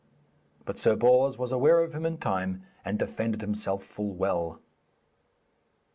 But Sir Bors was aware of him in time and defended himself full well.